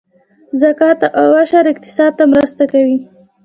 زکات او عشر اقتصاد ته مرسته کوي